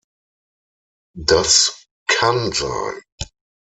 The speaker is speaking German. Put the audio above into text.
Das kann sein.